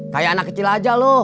kayak anak kecil aja loh